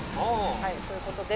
はいそういうことです。